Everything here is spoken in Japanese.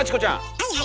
はいはい。